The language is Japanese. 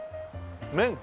麺。